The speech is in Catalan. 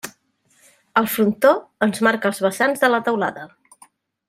El frontó ens marca els vessants de la teulada.